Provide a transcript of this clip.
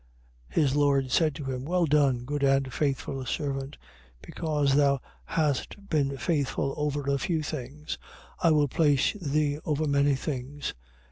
25:23. His lord said to him: Well done, good and faithful servant: because thou hast been faithful over a few things, I will place thee over many things.